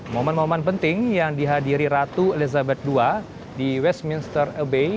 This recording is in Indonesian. momen momen penting yang dihadiri ratu elizabeth ii di westminster abey